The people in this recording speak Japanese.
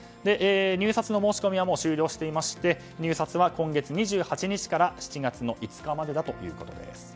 入札の申し込みは終了していまして入札は今月２８日から７月５日までだということです。